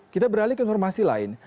kita beralih ke informasi lain